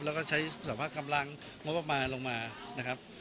แล้วก็ใช้สภาพกำลังงบประมาณลงมานะครับ